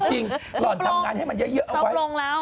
หล่อนทำงานให้มันเยอะเอาไว้